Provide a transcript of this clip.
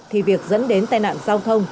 thì việc dẫn đến tai nạn giao thông